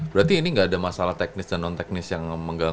berarti ini gak ada masalah teknis dan non teknis yang ada di asean games